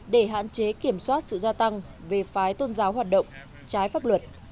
để hạn chế kiểm soát sự gia tăng về phái tôn giáo hoạt động trái pháp luật